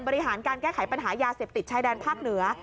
บริหารการแก้ไขปัญหายาเสพติดชายแดนภาคเหนือ